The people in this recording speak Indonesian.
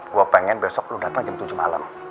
gue pengen besok lu datang jam tujuh malam